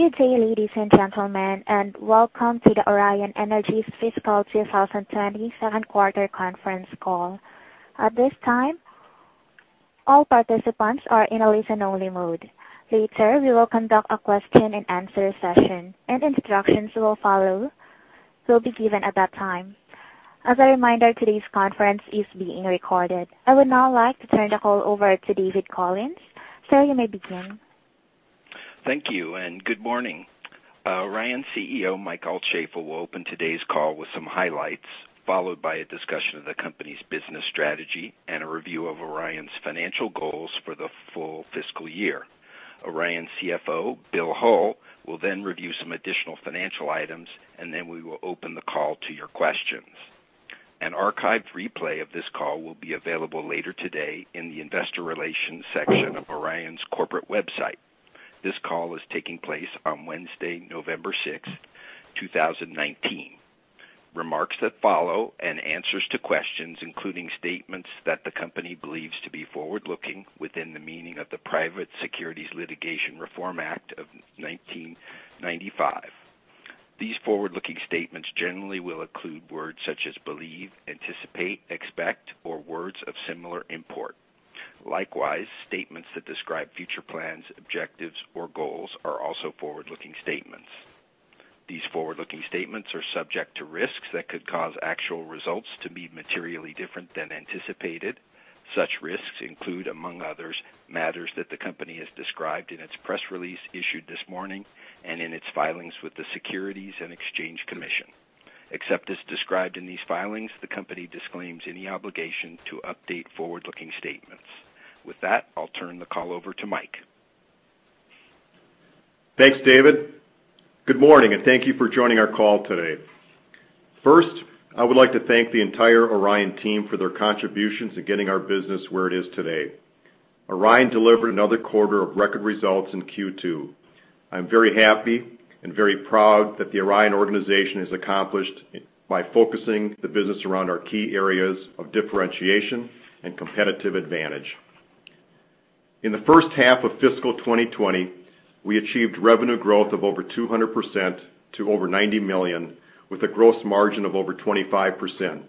Good day, ladies and gentlemen, and welcome to the Orion Energy Systems Fiscal 2020 2nd Quarter Conference Call. At this time, all participants are in a listen-only mode. Later, we will conduct a question-and-answer session, and instructions will be given at that time. As a reminder, today's conference is being recorded. I would now like to turn the call over to David Collins. Sir, you may begin. Thank you, and good morning. Orion CEO Mike Altschaefl will open today's call with some highlights, followed by a discussion of the company's business strategy and a review of Orion's financial goals for the full fiscal year. Orion CFO Bill Hull will then review some additional financial items, and then we will open the call to your questions. An archived replay of this call will be available later today in the investor relations section of Orion's corporate website. This call is taking place on Wednesday, November 6th, 2019. Remarks that follow and answers to questions, including statements that the company believes to be forward-looking within the meaning of the Private Securities Litigation Reform Act of 1995. These forward-looking statements generally will include words such as believe, anticipate, expect, or words of similar import. Likewise, statements that describe future plans, objectives, or goals are also forward-looking statements. These forward-looking statements are subject to risks that could cause actual results to be materially different than anticipated. Such risks include, among others, matters that the company has described in its press release issued this morning and in its filings with the Securities and Exchange Commission. Except as described in these filings, the company disclaims any obligation to update forward-looking statements. With that, I'll turn the call over to Mike. Thanks, David. Good morning, and thank you for joining our call today. First, I would like to thank the entire Orion team for their contributions in getting our business where it is today. Orion delivered another quarter of record results in Q2. I'm very happy and very proud that the Orion organization has accomplished by focusing the business around our key areas of differentiation and competitive advantage. In the 1st half of fiscal 2020, we achieved revenue growth of over 200% to over $90 million, with a gross margin of over 25%.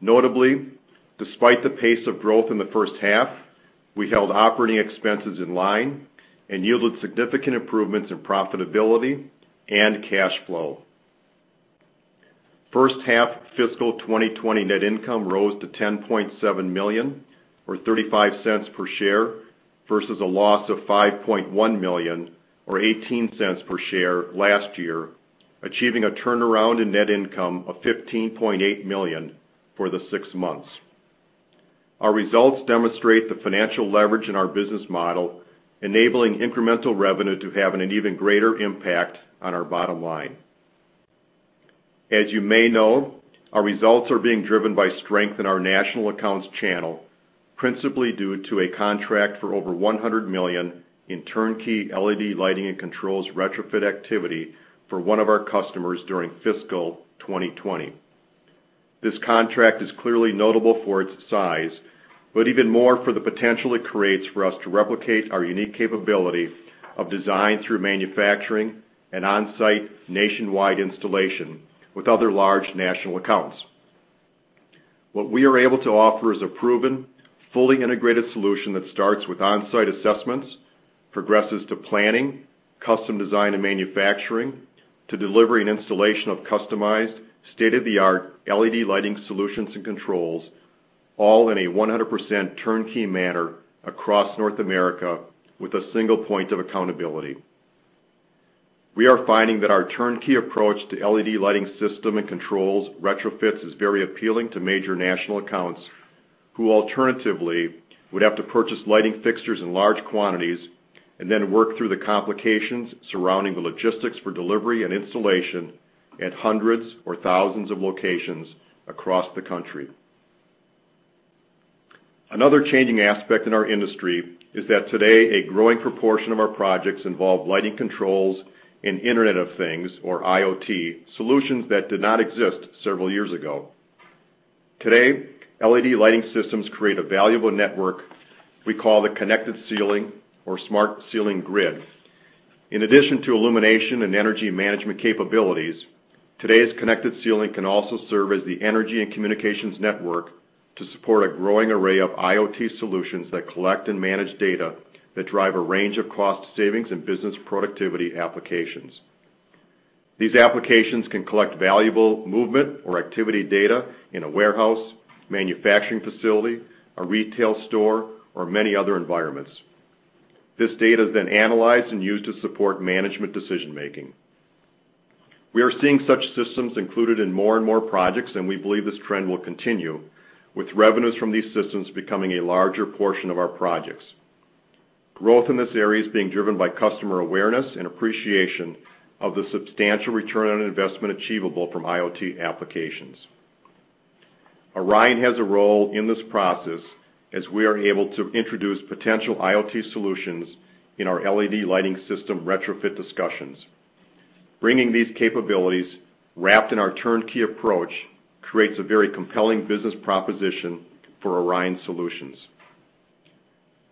Notably, despite the pace of growth in the 1st half, we held operating expenses in line and yielded significant improvements in profitability and cash flow. 1st half fiscal 2020 net income rose to $10.7 million, or $0.35 per share, versus a loss of $5.1 million, or $0.18 per share, last year, achieving a turnaround in net income of $15.8 million for the six months. Our results demonstrate the financial leverage in our business model, enabling incremental revenue to have an even greater impact on our bottom line. As you may know, our results are being driven by strength in our national accounts channel, principally due to a contract for over $100 million in turnkey LED lighting and controls retrofit activity for one of our customers during fiscal 2020. This contract is clearly notable for its size, but even more for the potential it creates for us to replicate our unique capability of design through manufacturing and on-site nationwide installation with other large national accounts. What we are able to offer is a proven, fully integrated solution that starts with on-site assessments, progresses to planning, custom design and manufacturing, to delivering installation of customized, state-of-the-art LED lighting solutions and controls, all in a 100% turnkey manner across North America with a single point of accountability. We are finding that our turnkey approach to LED lighting system and controls retrofits is very appealing to major national accounts who alternatively would have to purchase lighting fixtures in large quantities and then work through the complications surrounding the logistics for delivery and installation at hundreds or thousands of locations across the country. Another changing aspect in our industry is that today, a growing proportion of our projects involve lighting controls and Internet of Things, or IoT, solutions that did not exist several years ago. Today, LED lighting systems create a valuable network we call the connected ceiling or smart ceiling grid. In addition to illumination and energy management capabilities, today's connected ceiling can also serve as the energy and communications network to support a growing array of IoT solutions that collect and manage data that drive a range of cost savings and business productivity applications. These applications can collect valuable movement or activity data in a warehouse, manufacturing facility, a retail store, or many other environments. This data is then analyzed and used to support management decision-making. We are seeing such systems included in more and more projects, and we believe this trend will continue, with revenues from these systems becoming a larger portion of our projects. Growth in this area is being driven by customer awareness and appreciation of the substantial return on investment achievable from IoT applications. Orion has a role in this process as we are able to introduce potential IoT solutions in our LED lighting system retrofit discussions. Bringing these capabilities wrapped in our turnkey approach creates a very compelling business proposition for Orion Solutions.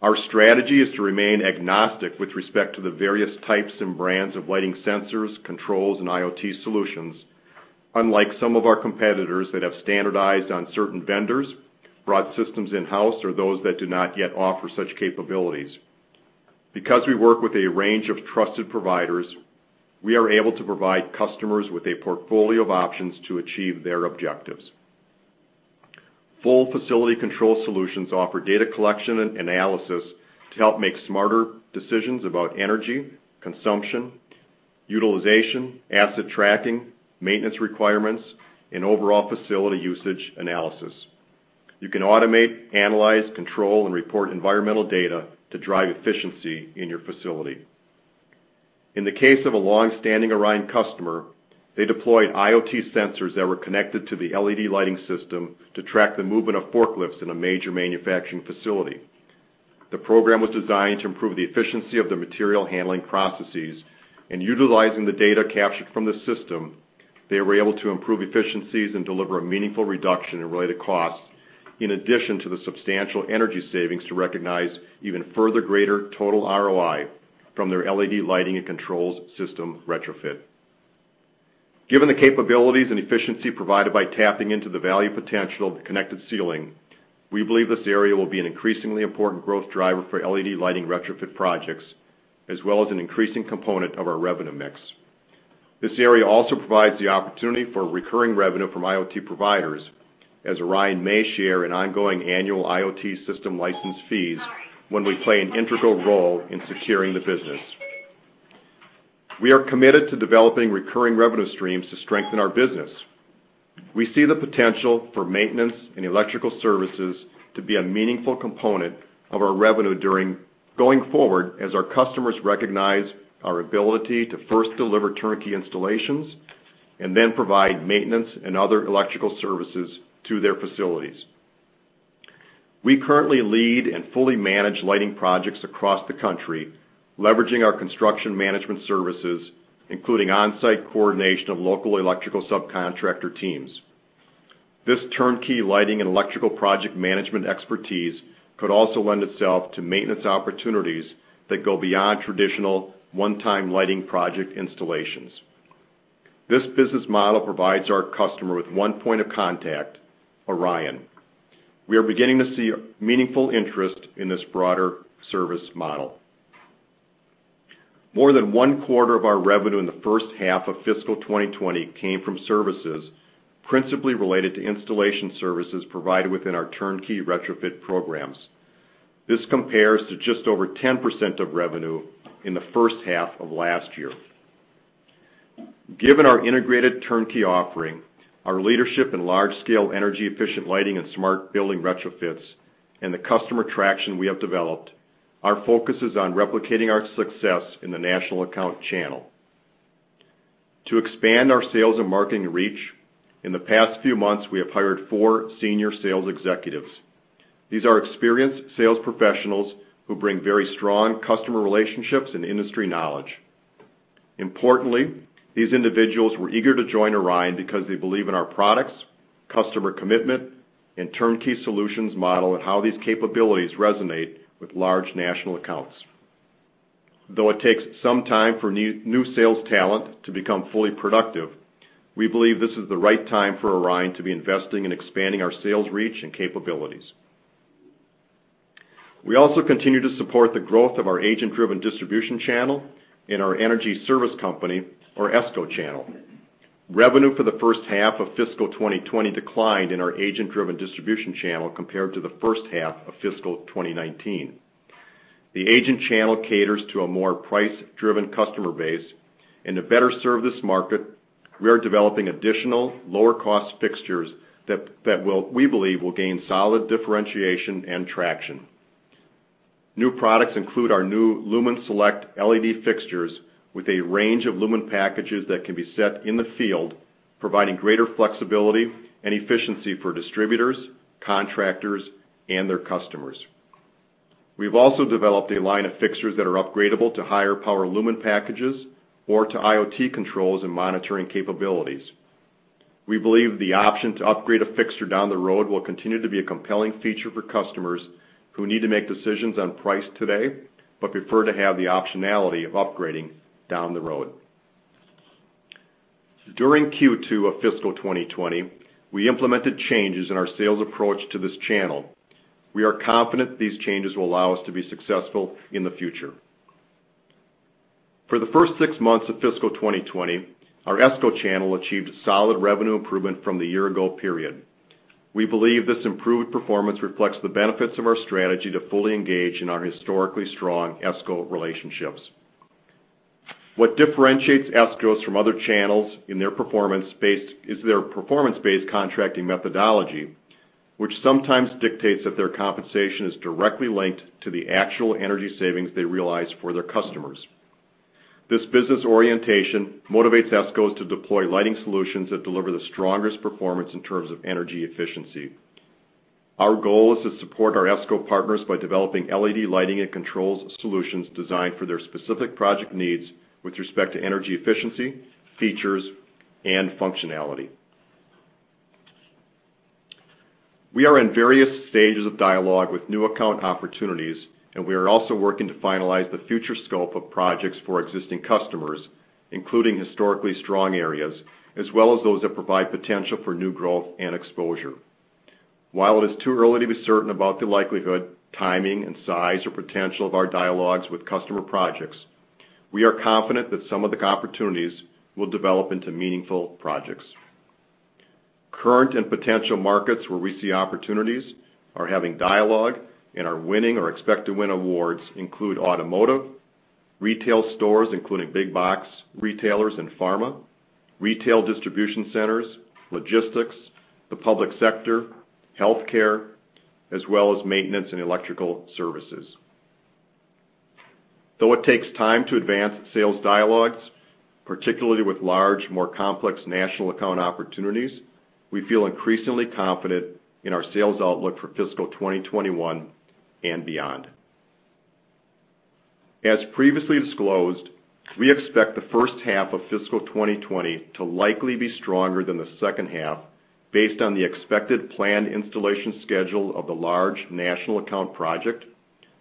Our strategy is to remain agnostic with respect to the various types and brands of lighting sensors, controls, and IoT solutions, unlike some of our competitors that have standardized on certain vendors, brought systems in-house, or those that do not yet offer such capabilities. Because we work with a range of trusted providers, we are able to provide customers with a portfolio of options to achieve their objectives. Full facility control solutions offer data collection and analysis to help make smarter decisions about energy, consumption, utilization, asset tracking, maintenance requirements, and overall facility usage analysis. You can automate, analyze, control, and report environmental data to drive efficiency in your facility. In the case of a long-standing Orion customer, they deployed IoT sensors that were connected to the LED lighting system to track the movement of forklifts in a major manufacturing facility. The program was designed to improve the efficiency of the material handling processes, and utilizing the data captured from the system, they were able to improve efficiencies and deliver a meaningful reduction in related costs, in addition to the substantial energy savings to recognize even further greater total ROI from their LED lighting and controls system retrofit. Given the capabilities and efficiency provided by tapping into the value potential of the connected ceiling, we believe this area will be an increasingly important growth driver for LED lighting retrofit projects, as well as an increasing component of our revenue mix. This area also provides the opportunity for recurring revenue from IoT providers, as Orion may share in ongoing annual IoT system license fees when we play an integral role in securing the business. We are committed to developing recurring revenue streams to strengthen our business. We see the potential for maintenance and electrical services to be a meaningful component of our revenue going forward, as our customers recognize our ability to first deliver turnkey installations and then provide maintenance and other electrical services to their facilities. We currently lead and fully manage lighting projects across the country, leveraging our construction management services, including on-site coordination of local electrical subcontractor teams. This turnkey lighting and electrical project management expertise could also lend itself to maintenance opportunities that go beyond traditional one-time lighting project installations. This business model provides our customer with one point of contact: Orion. We are beginning to see meaningful interest in this broader service model. More than one quarter of our revenue in the 1st half of fiscal 2020 came from services principally related to installation services provided within our turnkey retrofit programs. This compares to just over 10% of revenue in the 1st half of last year. Given our integrated turnkey offering, our leadership in large-scale energy-efficient lighting and smart building retrofits, and the customer traction we have developed, our focus is on replicating our success in the national account channel. To expand our sales and marketing reach, in the past few months, we have hired four senior sales executives. These are experienced sales professionals who bring very strong customer relationships and industry knowledge. Importantly, these individuals were eager to join Orion because they believe in our products, customer commitment, and turnkey solutions model, and how these capabilities resonate with large national accounts. Though it takes some time for new sales talent to become fully productive, we believe this is the right time for Orion to be investing in expanding our sales reach and capabilities. We also continue to support the growth of our agent-driven distribution channel in our energy service company, or ESCO channel. Revenue for the 1st half of fiscal 2020 declined in our agent-driven distribution channel compared to the 1st half of fiscal 2019. The agent channel caters to a more price-driven customer base. To better serve this market, we are developing additional lower-cost fixtures that we believe will gain solid differentiation and traction. New products include our new Lumen Select LED fixtures with a range of lumen packages that can be set in the field, providing greater flexibility and efficiency for distributors, contractors, and their customers. We've also developed a line of fixtures that are upgradable to higher-power lumen packages or to IoT controls and monitoring capabilities. We believe the option to upgrade a fixture down the road will continue to be a compelling feature for customers who need to make decisions on price today but prefer to have the optionality of upgrading down the road. During Q2 of fiscal 2020, we implemented changes in our sales approach to this channel. We are confident these changes will allow us to be successful in the future. For the first six months of fiscal 2020, our ESCO channel achieved solid revenue improvement from the year-ago period. We believe this improved performance reflects the benefits of our strategy to fully engage in our historically strong ESCO relationships. What differentiates ESCOs from other channels is their performance-based contracting methodology, which sometimes dictates that their compensation is directly linked to the actual energy savings they realize for their customers. This business orientation motivates ESCOs to deploy lighting solutions that deliver the strongest performance in terms of energy efficiency. Our goal is to support our ESCO partners by developing LED lighting and controls solutions designed for their specific project needs with respect to energy efficiency, features, and functionality. We are in various stages of dialogue with new account opportunities, and we are also working to finalize the future scope of projects for existing customers, including historically strong areas, as well as those that provide potential for new growth and exposure. While it is too early to be certain about the likelihood, timing, and size or potential of our dialogues with customer projects, we are confident that some of the opportunities will develop into meaningful projects. Current and potential markets where we see opportunities are having dialogue, and our winning or expect-to-win awards include automotive, retail stores including big box retailers and pharma, retail distribution centers, logistics, the public sector, healthcare, as well as maintenance and electrical services. Though it takes time to advance sales dialogues, particularly with large, more complex national account opportunities, we feel increasingly confident in our sales outlook for fiscal 2021 and beyond. As previously disclosed, we expect the 1st half of fiscal 2020 to likely be stronger than the 2nd half based on the expected planned installation schedule of the large national account project,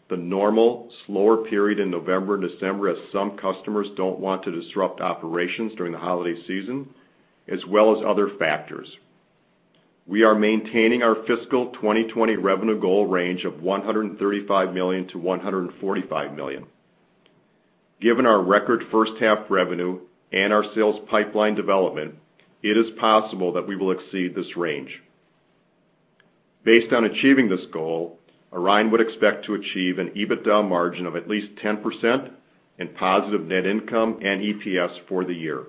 the normal slower period in November and December as some customers don't want to disrupt operations during the holiday season, as well as other factors. We are maintaining our fiscal 2020 revenue goal range of $135 million-$145 million. Given our record 1st half revenue and our sales pipeline development, it is possible that we will exceed this range. Based on achieving this goal, Orion would expect to achieve an EBITDA margin of at least 10% and positive net income and EPS for the year.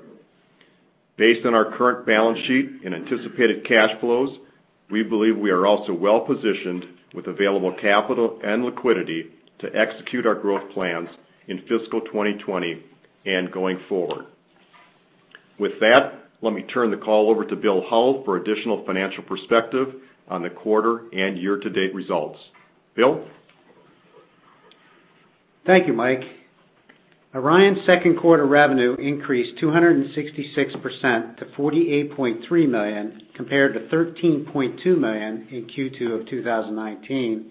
Based on our current balance sheet and anticipated cash flows, we believe we are also well-positioned with available capital and liquidity to execute our growth plans in fiscal 2020 and going forward. With that, let me turn the call over to Bill Hull for additional financial perspective on the quarter and year-to-date results. Bill? Thank you, Mike. Orion's 2nd quarter revenue increased 266% to $48.3 million compared to $13.2 million in Q2 of 2019,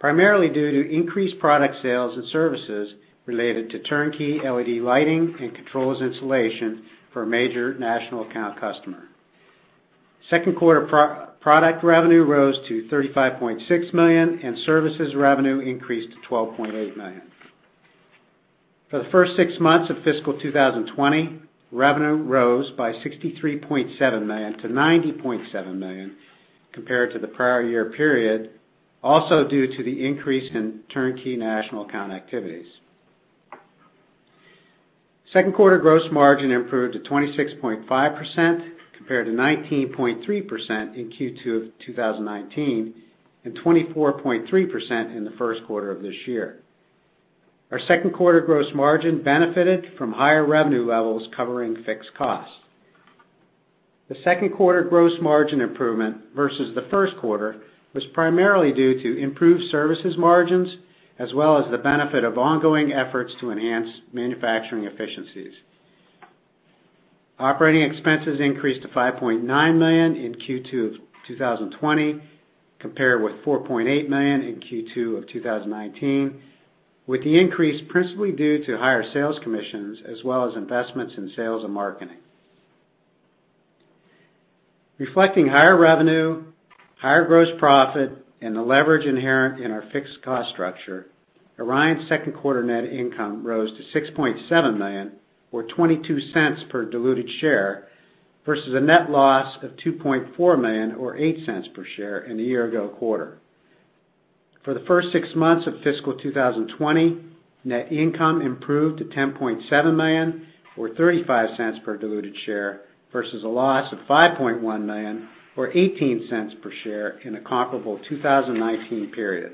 primarily due to increased product sales and services related to turnkey LED lighting and controls installation for a major national account customer. 2nd quarter product revenue rose to $35.6 million, and services revenue increased to $12.8 million. For the first six months of fiscal 2020, revenue rose by $63.7 million-$90.7 million compared to the prior year period, also due to the increase in turnkey national account activities. 2nd quarter gross margin improved to 26.5% compared to 19.3% in Q2 of 2019 and 24.3% in the 1st quarter of this year. Our 2nd quarter gross margin benefited from higher revenue levels covering fixed costs. The 2nd quarter gross margin improvement versus the 1st quarter was primarily due to improved services margins, as well as the benefit of ongoing efforts to enhance manufacturing efficiencies. Operating expenses increased to $5.9 million in Q2 of 2020, compared with $4.8 million in Q2 of 2019, with the increase principally due to higher sales commissions as well as investments in sales and marketing. Reflecting higher revenue, higher gross profit, and the leverage inherent in our fixed cost structure, Orion's 2nd quarter net income rose to $6.7 million, or $0.22 per diluted share, versus a net loss of $2.4 million, or $0.08 per share, in the year-ago quarter. For the first six months of fiscal 2020, net income improved to $10.7 million, or $0.35 per diluted share, versus a loss of $5.1 million, or $0.18 per share in a comparable 2019 period.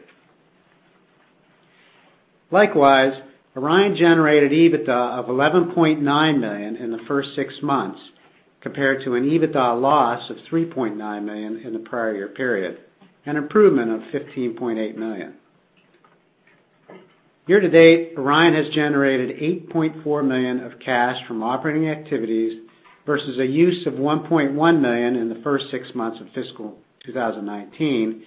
Likewise, Orion generated EBITDA of $11.9 million in the first six months, compared to an EBITDA loss of $3.9 million in the prior year period, an improvement of $15.8 million. Year-to-date, Orion has generated $8.4 million of cash from operating activities versus a use of $1.1 million in the first six months of fiscal 2019,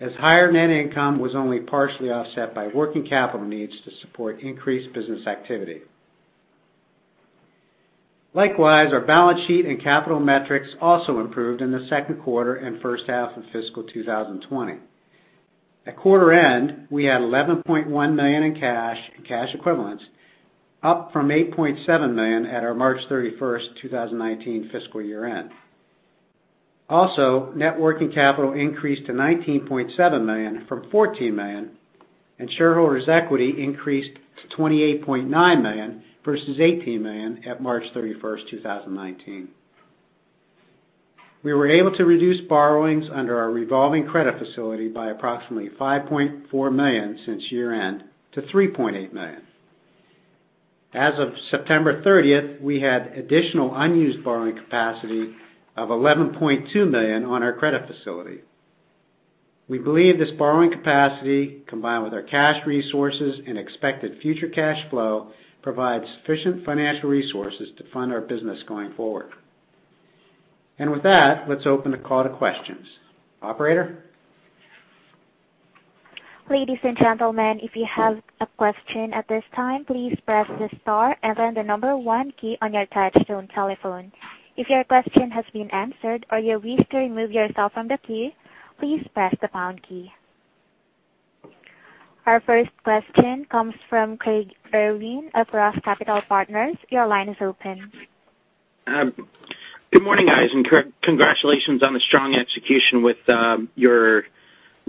as higher net income was only partially offset by working capital needs to support increased business activity. Likewise, our balance sheet and capital metrics also improved in the 2nd quarter and 1st half of fiscal 2020. At quarter end, we had $11.1 million in cash and cash equivalents, up from $8.7 million at our March 31st, 2019 fiscal year end. Also, net working capital increased to $19.7 million from $14 million, and shareholders' equity increased to $28.9 million versus $18 million at March 31st, 2019. We were able to reduce borrowings under our revolving credit facility by approximately $5.4 million since year-end to $3.8 million. As of September 30th, we had additional unused borrowing capacity of $11.2 million on our credit facility. We believe this borrowing capacity, combined with our cash resources and expected future cash flow, provides sufficient financial resources to fund our business going forward. Let's open the call to questions. Operator? Ladies and gentlemen, if you have a question at this time, please press the star and then the number one key on your touch-tone telephone. If your question has been answered or you wish to remove yourself from the queue, please press the pound key. Our first question comes from Craig Irwin at Roth Capital Partners. Your line is open. Good morning, guys, and congratulations on the strong execution with your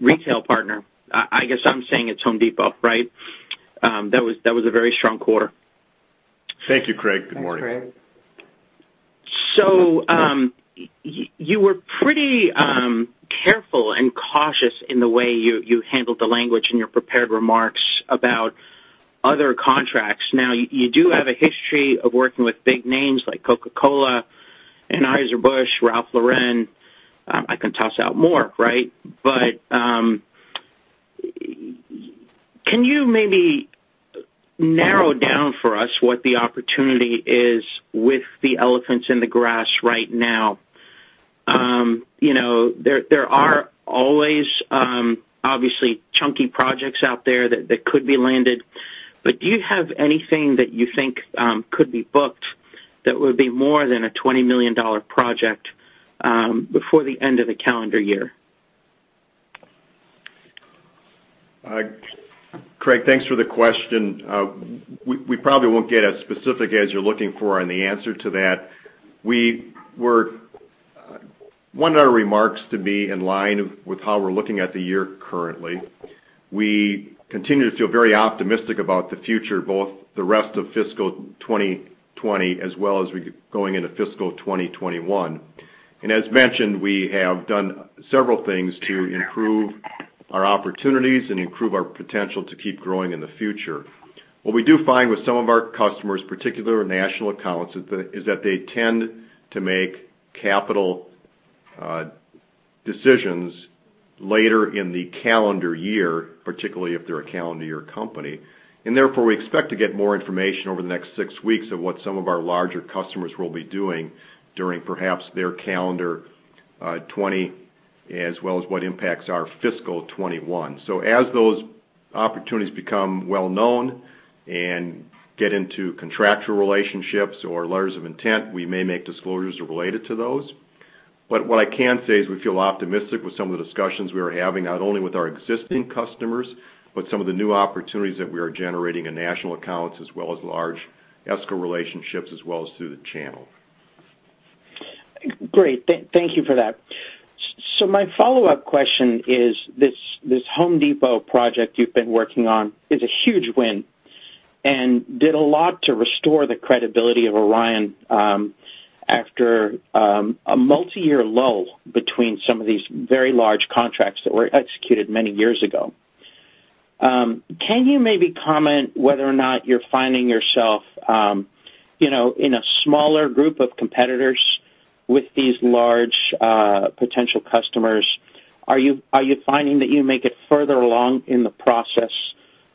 retail partner. I guess I'm saying it's Home Depot, right? That was a very strong quarter. Thank you, Craig. Good morning. You were pretty careful and cautious in the way you handled the language in your prepared remarks about other contracts. Now, you do have a history of working with big names like Coca-Cola, and Anheuser-Busch, Ralph Lauren. I can toss out more, right? Can you maybe narrow down for us what the opportunity is with the elephants in the grass right now? There are always, obviously, chunky projects out there that could be landed, but do you have anything that you think could be booked that would be more than a $20 million project before the end of the calendar year? Craig, thanks for the question. We probably won't get as specific as you're looking for in the answer to that. One of our remarks to be in line with how we're looking at the year currently. We continue to feel very optimistic about the future, both the rest of fiscal 2020 as well as going into fiscal 2021. As mentioned, we have done several things to improve our opportunities and improve our potential to keep growing in the future. What we do find with some of our customers, particularly our national accounts, is that they tend to make capital decisions later in the calendar year, particularly if they're a calendar year company. Therefore, we expect to get more information over the next six weeks of what some of our larger customers will be doing during perhaps their calendar 2020, as well as what impacts our fiscal 2021. As those opportunities become well-known and get into contractual relationships or letters of intent, we may make disclosures related to those. What I can say is we feel optimistic with some of the discussions we are having, not only with our existing customers, but some of the new opportunities that we are generating in national accounts as well as large ESCO relationships as well as through the channel. Great. Thank you for that. My follow-up question is this Home Depot project you've been working on is a huge win and did a lot to restore the credibility of Orion after a multi-year lull between some of these very large contracts that were executed many years ago. Can you maybe comment whether or not you're finding yourself in a smaller group of competitors with these large potential customers? Are you finding that you make it further along in the process?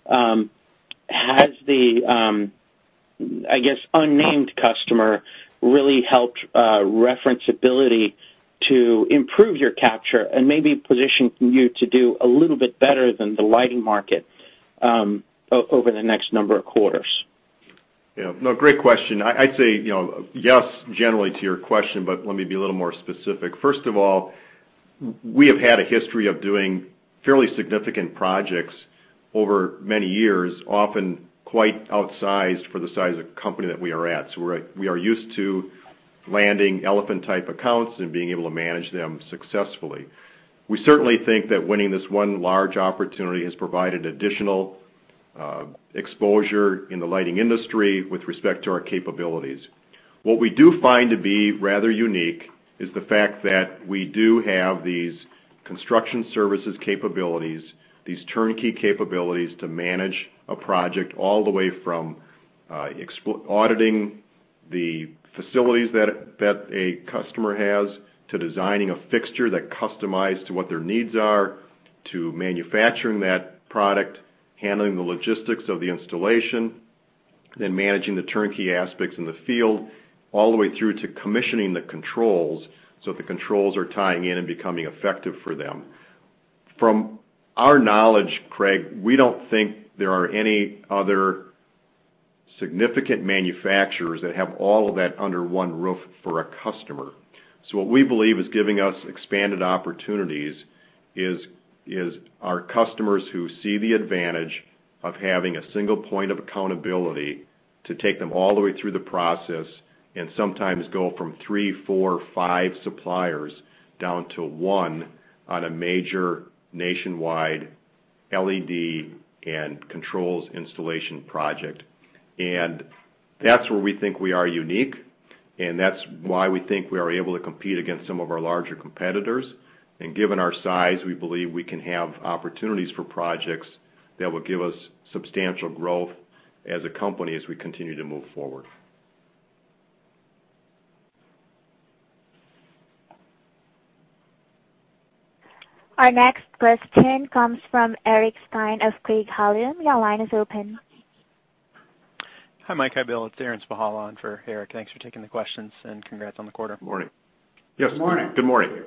Has the, I guess, unnamed customer really helped reference ability to improve your capture and maybe position you to do a little bit better than the lighting market over the next number of quarters? Yeah. No, great question. I'd say yes, generally, to your question, but let me be a little more specific. First of all, we have had a history of doing fairly significant projects over many years, often quite outsized for the size of the company that we are at. We are used to landing elephant-type accounts and being able to manage them successfully. We certainly think that winning this one large opportunity has provided additional exposure in the lighting industry with respect to our capabilities. What we do find to be rather unique is the fact that we do have these construction services capabilities, these turnkey capabilities to manage a project all the way from auditing the facilities that a customer has to designing a fixture that's customized to what their needs are, to manufacturing that product, handling the logistics of the installation, then managing the turnkey aspects in the field, all the way through to commissioning the controls so that the controls are tying in and becoming effective for them. From our knowledge, Craig, we don't think there are any other significant manufacturers that have all of that under one roof for a customer. What we believe is giving us expanded opportunities is our customers who see the advantage of having a single point of accountability to take them all the way through the process and sometimes go from three, four, five suppliers down to one on a major nationwide LED and controls installation project. That is where we think we are unique, and that is why we think we are able to compete against some of our larger competitors. Given our size, we believe we can have opportunities for projects that will give us substantial growth as a company as we continue to move forward. Our next question comes from Eric Stine of Craig-Hallum. Your line is open. Hi, Mike. Hi, Bill. It is Therence Bohman on for Eric. Thanks for taking the questions and congrats on the quarter. Good morning. Yes. Good morning.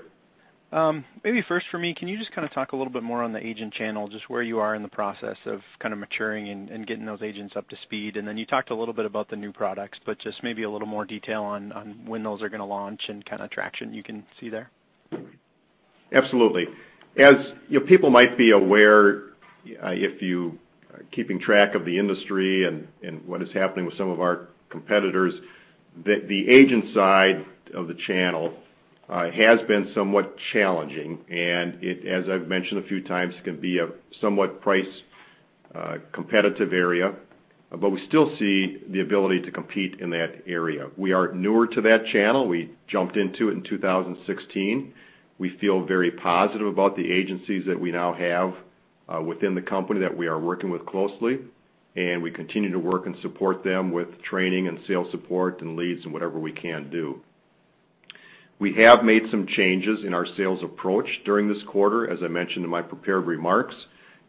Maybe first for me, can you just kind of talk a little bit more on the agent channel, just where you are in the process of kind of maturing and getting those agents up to speed? You talked a little bit about the new products, but just maybe a little more detail on when those are going to launch and kind of traction you can see there? Absolutely. As people might be aware, if you're keeping track of the industry and what is happening with some of our competitors, the agent side of the channel has been somewhat challenging. It, as I've mentioned a few times, can be a somewhat price-competitive area, but we still see the ability to compete in that area. We are newer to that channel. We jumped into it in 2016. We feel very positive about the agencies that we now have within the company that we are working with closely, and we continue to work and support them with training and sales support and leads and whatever we can do. We have made some changes in our sales approach during this quarter, as I mentioned in my prepared remarks.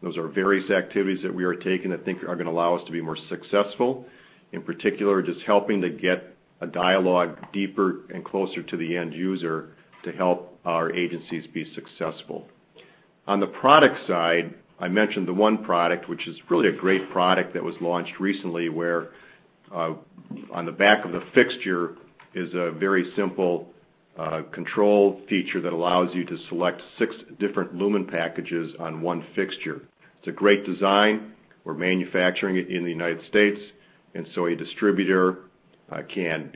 Those are various activities that we are taking that I think are going to allow us to be more successful, in particular, just helping to get a dialogue deeper and closer to the end user to help our agencies be successful. On the product side, I mentioned the one product, which is really a great product that was launched recently, where on the back of the fixture is a very simple control feature that allows you to select six different lumen packages on one fixture. It's a great design. We're manufacturing it in the United States, and so a distributor can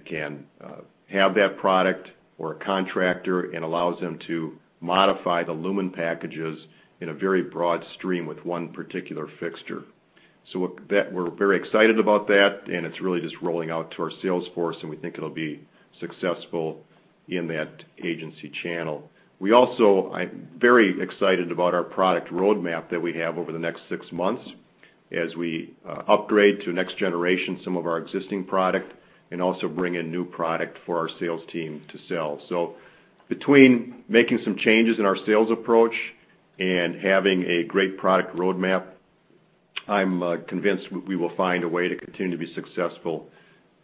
have that product or a contractor and allows them to modify the lumen packages in a very broad stream with one particular fixture. We're very excited about that, and it's really just rolling out to our sales force, and we think it'll be successful in that agency channel. We're also very excited about our product roadmap that we have over the next six months as we upgrade to next generation some of our existing product and also bring in new product for our sales team to sell. Between making some changes in our sales approach and having a great product roadmap, I'm convinced we will find a way to continue to be successful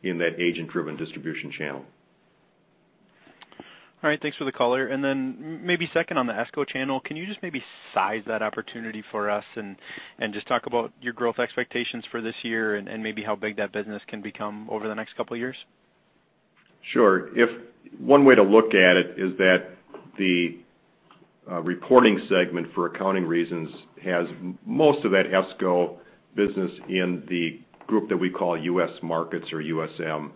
in that agent-driven distribution channel. All right. Thanks for the color. Maybe second on the ESCO channel, can you just maybe size that opportunity for us and just talk about your growth expectations for this year and maybe how big that business can become over the next couple of years? Sure. One way to look at it is that the reporting segment for accounting reasons has most of that ESCO business in the group that we call U.S. markets or USM.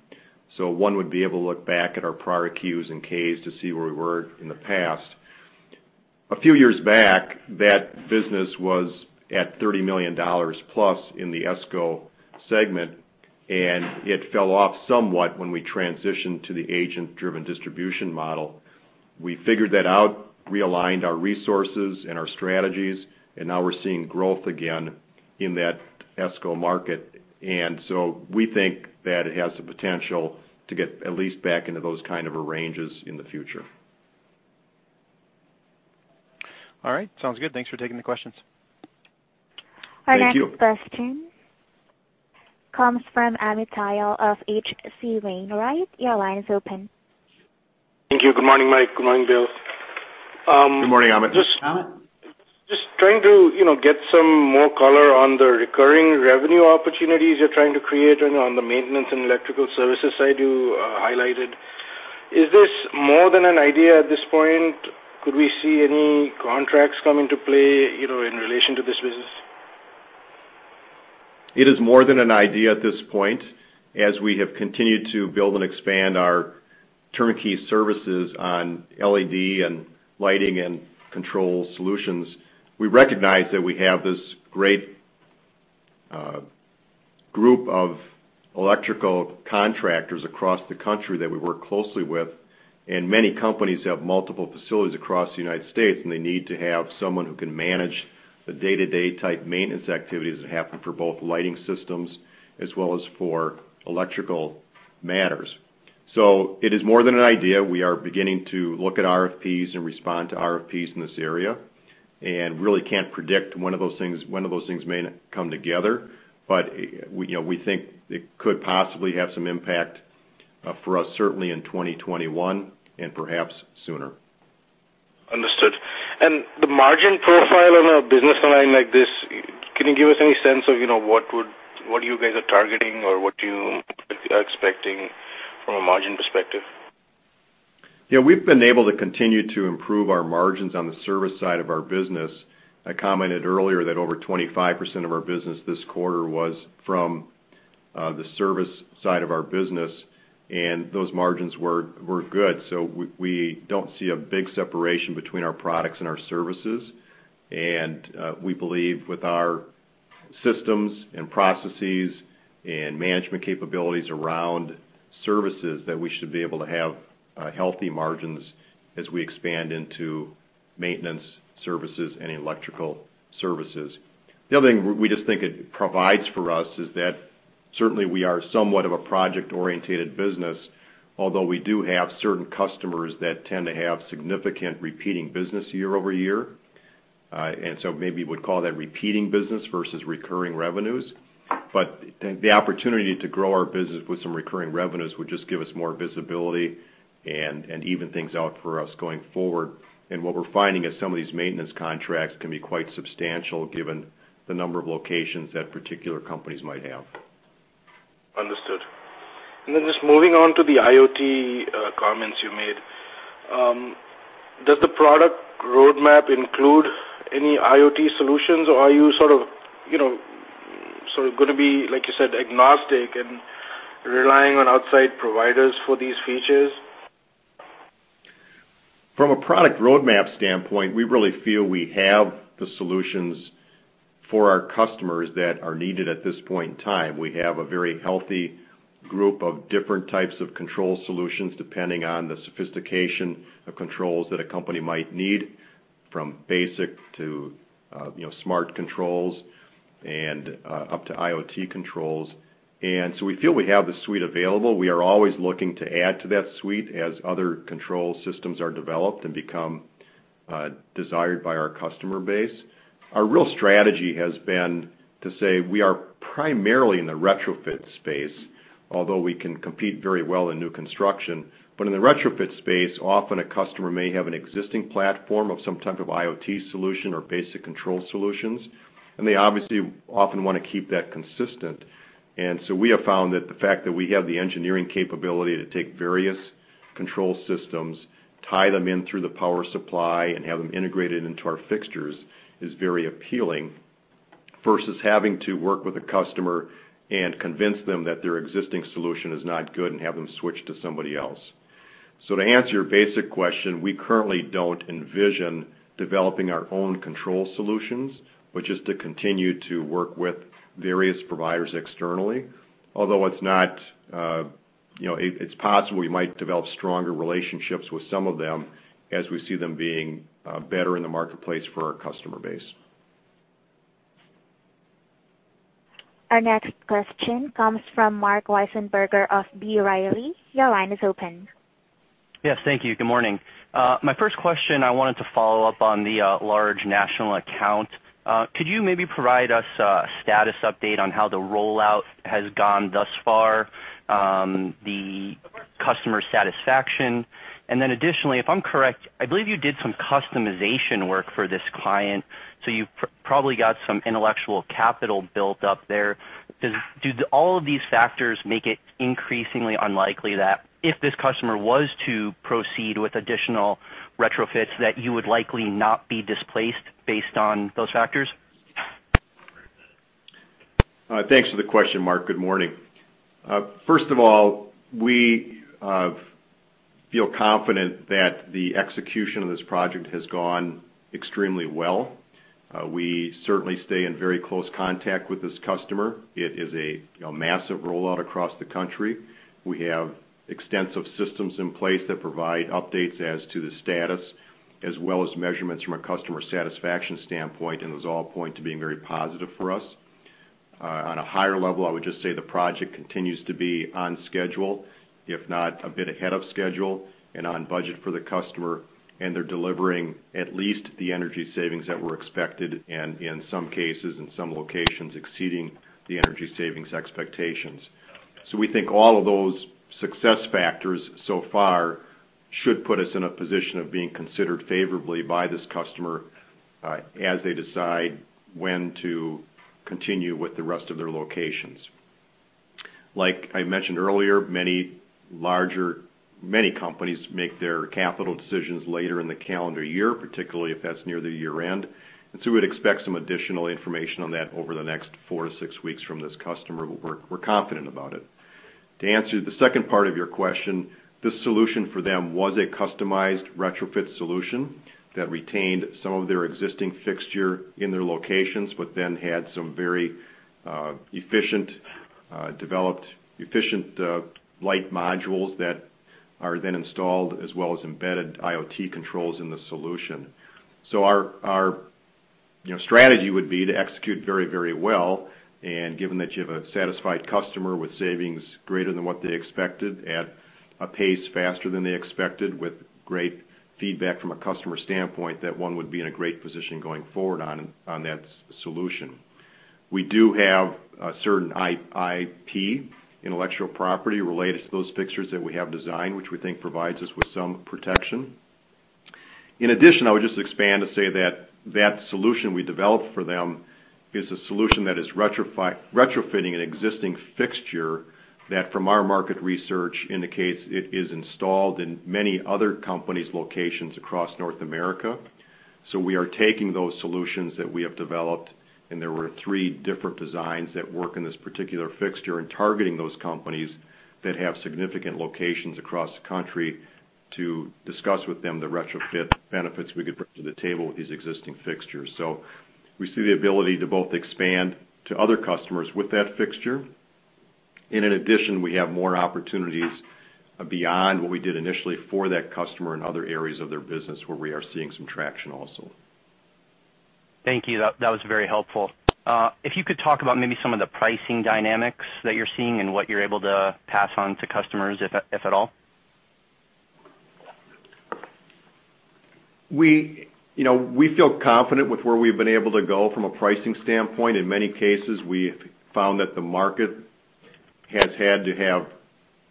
So one would be able to look back at our prior Qs and Ks to see where we were in the past. A few years back, that business was at $30 million plus in the ESCO segment, and it fell off somewhat when we transitioned to the agent-driven distribution model. We figured that out, realigned our resources and our strategies, and now we're seeing growth again in that ESCO market. We think that it has the potential to get at least back into those kind of ranges in the future. All right. Sounds good. Thanks for taking the questions. Our next question comes from Amit Dayal of HC Wainwright. Your line is open. Thank you. Good morning, Mike. Good morning, Bill. Good morning, Amit. Just trying to get some more color on the recurring revenue opportunities you're trying to create on the maintenance and electrical services side you highlighted. Is this more than an idea at this point? Could we see any contracts come into play in relation to this business? It is more than an idea at this point, as we have continued to build and expand our turnkey services on LED and lighting and control solutions, we recognize that we have this great group of electrical contractors across the country that we work closely with, and many companies have multiple facilities across the United States, and they need to have someone who can manage the day-to-day type maintenance activities that happen for both lighting systems as well as for electrical matters. It is more than an idea. We are beginning to look at RFPs and respond to RFPs in this area and really can't predict when those things may come together, but we think it could possibly have some impact for us, certainly in 2021 and perhaps sooner. Understood. The margin profile on a business line like this, can you give us any sense of what you guys are targeting or what you are expecting from a margin perspective? Yeah. We've been able to continue to improve our margins on the service side of our business. I commented earlier that over 25% of our business this quarter was from the service side of our business, and those margins were good. We do not see a big separation between our products and our services. We believe with our systems and processes and management capabilities around services that we should be able to have healthy margins as we expand into maintenance services and electrical services. The other thing we just think it provides for us is that certainly we are somewhat of a project-oriented business, although we do have certain customers that tend to have significant repeating business year-over-year. Maybe we'd call that repeating business versus recurring revenues. The opportunity to grow our business with some recurring revenues would just give us more visibility and even things out for us going forward. What we're finding is some of these maintenance contracts can be quite substantial given the number of locations that particular companies might have. Understood. Just moving on to the IoT comments you made, does the product roadmap include any IoT solutions, or are you sort of going to be, like you said, agnostic and relying on outside providers for these features? From a product roadmap standpoint, we really feel we have the solutions for our customers that are needed at this point in time. We have a very healthy group of different types of control solutions depending on the sophistication of controls that a company might need, from basic to smart controls and up to IoT controls. We feel we have the suite available. We are always looking to add to that suite as other control systems are developed and become desired by our customer base. Our real strategy has been to say we are primarily in the retrofit space, although we can compete very well in new construction. In the retrofit space, often a customer may have an existing platform of some type of IoT solution or basic control solutions, and they obviously often want to keep that consistent. We have found that the fact that we have the engineering capability to take various control systems, tie them in through the power supply, and have them integrated into our fixtures is very appealing versus having to work with a customer and convince them that their existing solution is not good and have them switch to somebody else. To answer your basic question, we currently do not envision developing our own control solutions, but just to continue to work with various providers externally. Although it is possible we might develop stronger relationships with some of them as we see them being better in the marketplace for our customer base. Our next question comes from Marc Wiesenberger of B. Riley. Your line is open. Yes. Thank you. Good morning. My first question, I wanted to follow up on the large national account. Could you maybe provide us a status update on how the rollout has gone thus far, the customer satisfaction? Additionally, if I'm correct, I believe you did some customization work for this client, so you probably got some intellectual capital built up there. Do all of these factors make it increasingly unlikely that if this customer was to proceed with additional retrofits, that you would likely not be displaced based on those factors? Thanks for the question, Mark. Good morning. First of all, we feel confident that the execution of this project has gone extremely well. We certainly stay in very close contact with this customer. It is a massive rollout across the country. We have extensive systems in place that provide updates as to the status as well as measurements from a customer satisfaction standpoint, and those all point to being very positive for us. On a higher level, I would just say the project continues to be on schedule, if not a bit ahead of schedule and on budget for the customer, and they're delivering at least the energy savings that were expected and in some cases in some locations exceeding the energy savings expectations. We think all of those success factors so far should put us in a position of being considered favorably by this customer as they decide when to continue with the rest of their locations. Like I mentioned earlier, many companies make their capital decisions later in the calendar year, particularly if that's near the year end. We would expect some additional information on that over the next four to six weeks from this customer. We're confident about it. To answer the second part of your question, the solution for them was a customized retrofit solution that retained some of their existing fixtures in their locations but then had some very efficient light modules that are then installed as well as embedded IoT controls in the solution. Our strategy would be to execute very, very well. Given that you have a satisfied customer with savings greater than what they expected at a pace faster than they expected with great feedback from a customer standpoint, that one would be in a great position going forward on that solution. We do have a certain IP, intellectual property, related to those fixtures that we have designed, which we think provides us with some protection. In addition, I would just expand to say that that solution we developed for them is a solution that is retrofitting an existing fixture that, from our market research, indicates it is installed in many other companies' locations across North America. We are taking those solutions that we have developed, and there were three different designs that work in this particular fixture and targeting those companies that have significant locations across the country to discuss with them the retrofit benefits we could bring to the table with these existing fixtures. We see the ability to both expand to other customers with that fixture. In addition, we have more opportunities beyond what we did initially for that customer in other areas of their business where we are seeing some traction also. Thank you. That was very helpful. If you could talk about maybe some of the pricing dynamics that you're seeing and what you're able to pass on to customers, if at all. We feel confident with where we've been able to go from a pricing standpoint. In many cases, we found that the market has had to have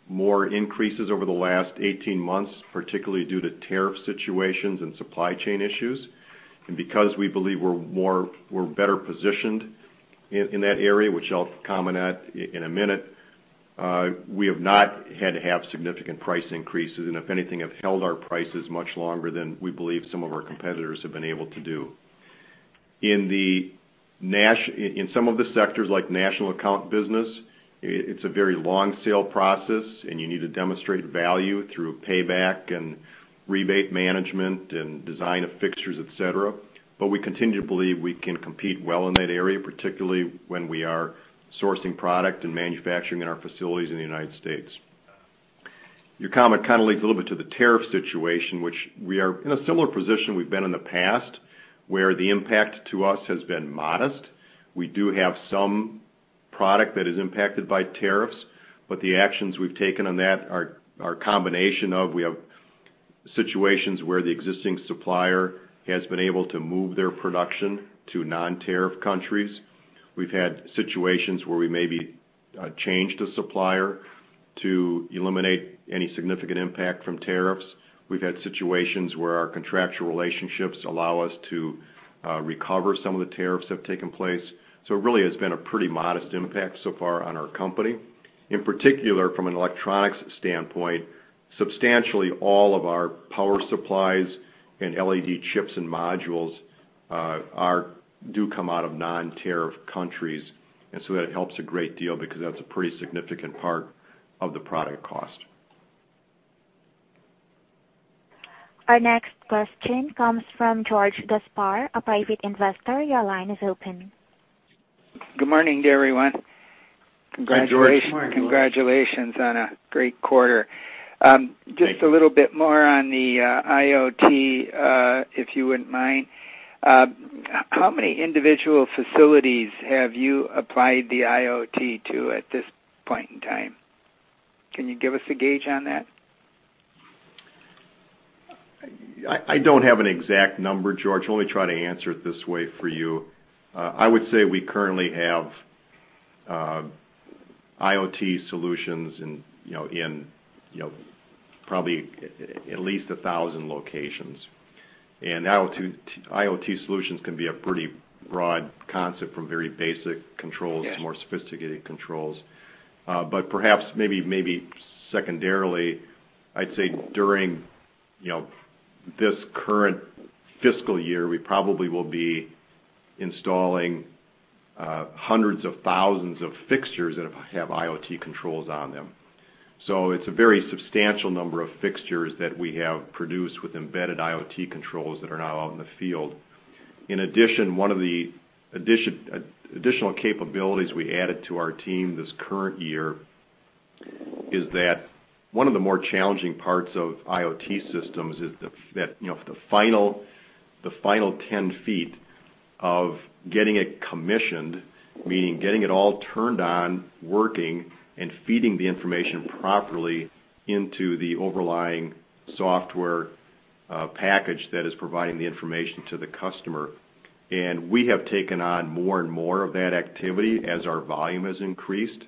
more increases over the last 18 months, particularly due to tariff situations and supply chain issues. Because we believe we're better positioned in that area, which I'll comment on in a minute, we have not had to have significant price increases and, if anything, have held our prices much longer than we believe some of our competitors have been able to do. In some of the sectors like national account business, it's a very long sale process, and you need to demonstrate value through payback and rebate management and design of fixtures, etc. We continue to believe we can compete well in that area, particularly when we are sourcing product and manufacturing in our facilities in the United States. Your comment kind of leads a little bit to the tariff situation, which we are in a similar position we have been in the past where the impact to us has been modest. We do have some product that is impacted by tariffs, but the actions we have taken on that are a combination of we have situations where the existing supplier has been able to move their production to non-tariff countries. We have had situations where we maybe changed a supplier to eliminate any significant impact from tariffs. We have had situations where our contractual relationships allow us to recover some of the tariffs that have taken place. It really has been a pretty modest impact so far on our company. In particular, from an electronics standpoint, substantially all of our power supplies and LED chips and modules do come out of non-tariff countries. That helps a great deal because that's a pretty significant part of the product cost. Our next question comes from George Gaspar, a private investor. Your line is open. Good morning everyone. Congratulations on a great quarter. Just a little bit more on the IoT, if you wouldn't mind. How many individual facilities have you applied the IoT to at this point in time? Can you give us a gauge on that? I don't have an exact number, George. Let me try to answer it this way for you. I would say we currently have IoT solutions in probably at least 1,000 locations. IoT solutions can be a pretty broad concept from very basic controls to more sophisticated controls. Perhaps maybe secondarily, I'd say during this current fiscal year, we probably will be installing hundreds of thousands of fixtures that have IoT controls on them. It is a very substantial number of fixtures that we have produced with embedded IoT controls that are now out in the field. In addition, one of the additional capabilities we added to our team this current year is that one of the more challenging parts of IoT systems is that the final 10 feet of getting it commissioned, meaning getting it all turned on, working, and feeding the information properly into the overlying software package that is providing the information to the customer. We have taken on more and more of that activity as our volume has increased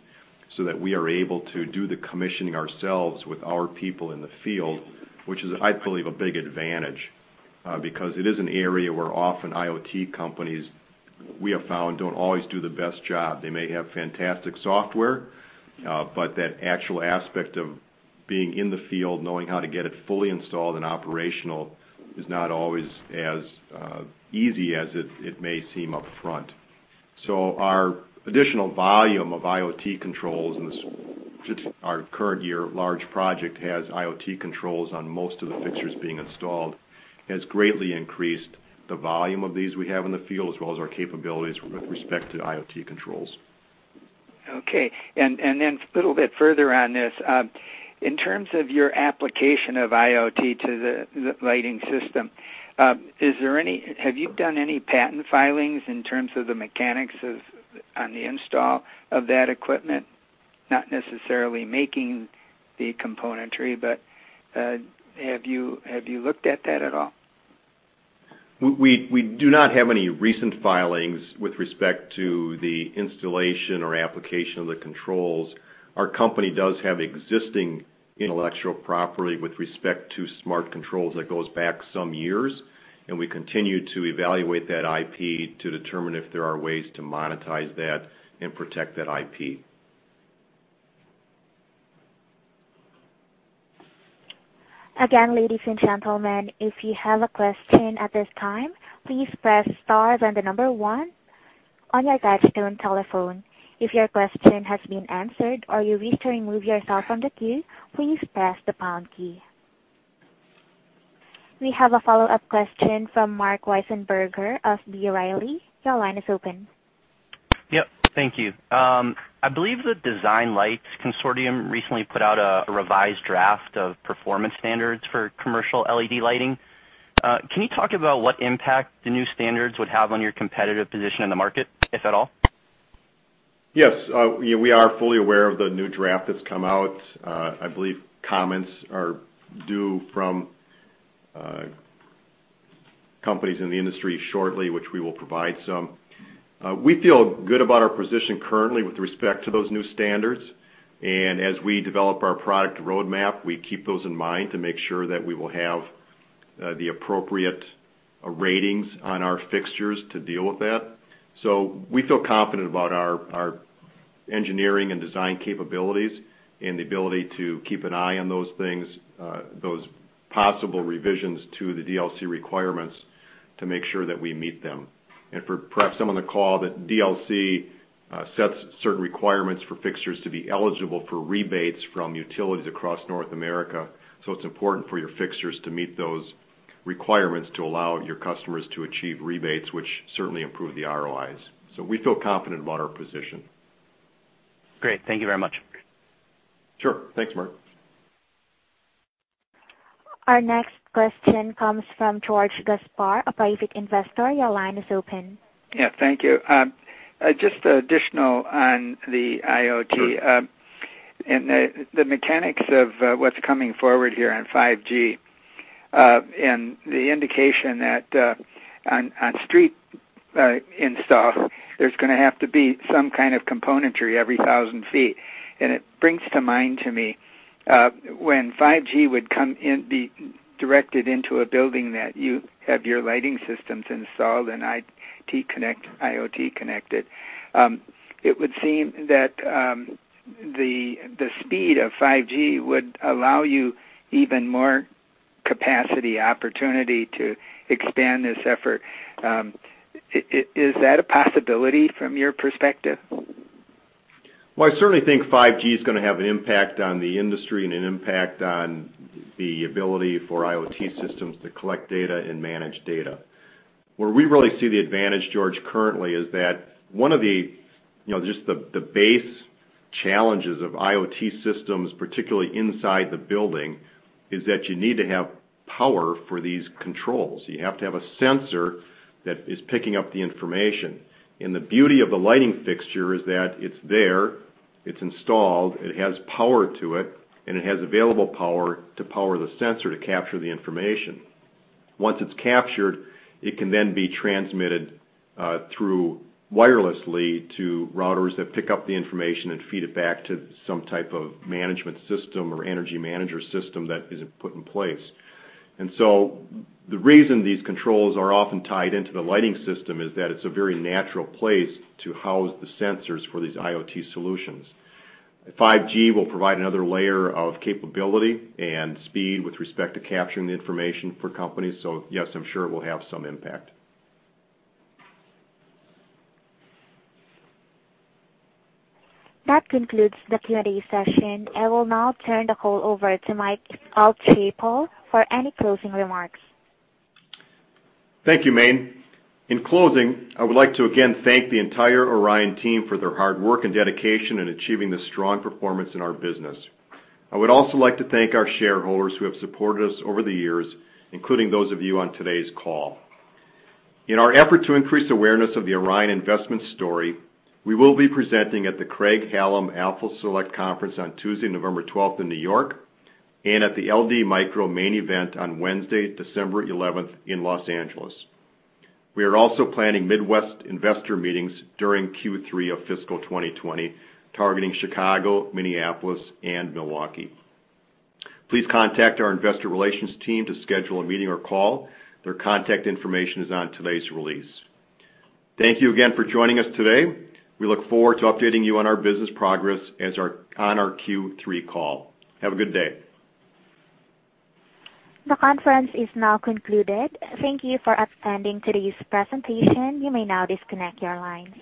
so that we are able to do the commissioning ourselves with our people in the field, which is, I believe, a big advantage because it is an area where often IoT companies, we have found, do not always do the best job. They may have fantastic software, but that actual aspect of being in the field, knowing how to get it fully installed and operational, is not always as easy as it may seem upfront. Our additional volume of IoT controls in our current year large project has IoT controls on most of the fixtures being installed has greatly increased the volume of these we have in the field as well as our capabilities with respect to IoT controls. Okay. A little bit further on this, in terms of your application of IoT to the lighting system, have you done any patent filings in terms of the mechanics on the install of that equipment? Not necessarily making the componentry, but have you looked at that at all? We do not have any recent filings with respect to the installation or application of the controls. Our company does have existing intellectual property with respect to smart controls that goes back some years, and we continue to evaluate that IP to determine if there are ways to monetize that and protect that IP. Again, ladies and gentlemen, if you have a question at this time, please press star then the number one on your touchstone telephone. If your question has been answered or you wish to remove yourself from the queue, please press the pound key. We have a follow-up question from Marc Wiesenberger of B. Riley. Your line is open. Yep. Thank you. I believe the DesignLights Consortium recently put out a revised draft of performance standards for commercial LED lighting. Can you talk about what impact the new standards would have on your competitive position in the market, if at all? Yes. We are fully aware of the new draft that's come out. I believe comments are due from companies in the industry shortly, which we will provide some. We feel good about our position currently with respect to those new standards. As we develop our product roadmap, we keep those in mind to make sure that we will have the appropriate ratings on our fixtures to deal with that. We feel confident about our engineering and design capabilities and the ability to keep an eye on those things, those possible revisions to the DLC requirements to make sure that we meet them. For perhaps someone on the call, the DLC sets certain requirements for fixtures to be eligible for rebates from utilities across North America. It is important for your fixtures to meet those requirements to allow your customers to achieve rebates, which certainly improve the ROIs. We feel confident about our position. Great. Thank you very much. Sure. Thanks, Marc. Our next question comes from George Daspar, a private investor. Your line is open. Yeah. Thank you. Just additional on the IoT and the mechanics of what's coming forward here on 5G and the indication that on street install, there's going to have to be some kind of componentry every 1,000 feet. It brings to mind to me when 5G would come and be directed into a building that you have your lighting systems installed and IT connect, IoT connected, it would seem that the speed of 5G would allow you even more capacity opportunity to expand this effort. Is that a possibility from your perspective? I certainly think 5G is going to have an impact on the industry and an impact on the ability for IoT systems to collect data and manage data. Where we really see the advantage, George, currently is that one of the just the base challenges of IoT systems, particularly inside the building, is that you need to have power for these controls. You have to have a sensor that is picking up the information. The beauty of the lighting fixture is that it's there, it's installed, it has power to it, and it has available power-to-power the sensor to capture the information. Once it's captured, it can then be transmitted wirelessly to routers that pick up the information and feed it back to some type of management system or energy manager system that is put in place. The reason these controls are often tied into the lighting system is that it's a very natural place to house the sensors for these IoT solutions. 5G will provide another layer of capability and speed with respect to capturing the information for companies. Yes, I'm sure it will have some impact. That concludes the Q&A session. I will now turn the call over to Mike Altschaefl for any closing remarks. Thank you, Maine. In closing, I would like to again thank the entire Orion team for their hard work and dedication in achieving this strong performance in our business. I would also like to thank our shareholders who have supported us over the years, including those of you on today's call. In our effort to increase awareness of the Orion investment story, we will be presenting at the Craig-Hallum Alpha Select Conference on Tuesday, November 12th in New York and at the LD Micro Main Event on Wednesday, December 11th in Los Angeles. We are also planning Midwest investor meetings during Q3 of fiscal 2020 targeting Chicago, Minneapolis, and Milwaukee. Please contact our investor relations team to schedule a meeting or call. Their contact information is on today's release. Thank you again for joining us today. We look forward to updating you on our business progress on our Q3 call. Have a good day. The conference is now concluded. Thank you for attending today's presentation. You may now disconnect your lines.